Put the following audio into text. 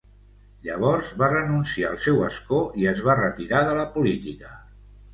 Llavors va renunciar al seu escó i es va retirar de la política.